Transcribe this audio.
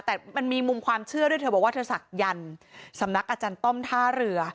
แต่มันมีมุมความเชื่อด้วยเธอบอกว่าเธอศักยันต์สำนักอาจารย์ต้อมท่าเรือ